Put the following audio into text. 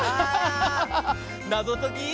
なぞとき。